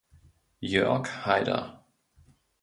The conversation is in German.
Jörg Haider.